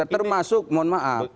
termasuk mohon maaf